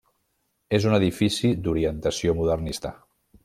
És un edifici d'orientació modernista.